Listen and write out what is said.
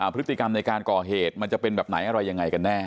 พฤติกรรมในการก่อเหตุมันจะเป็นแบบไหนอะไรยังไงกันแน่